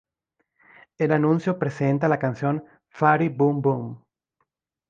El anuncio presenta la canción "Fatty Boom Boom".